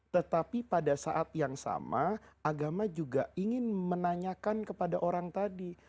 tetapi pada saat yang sama agama juga ingin menanyakan kepada orang tadi